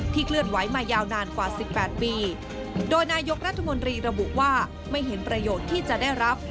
เคลื่อนไหวมายาวนานกว่าสิบแปดปีโดยนายกรัฐมนตรีระบุว่าไม่เห็นประโยชน์ที่จะได้รับ